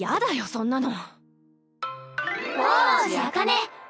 そんなの。